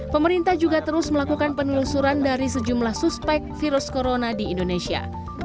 pemerintah juga terus melakukan penelusuran dari sejumlah suspek virus corona di indonesia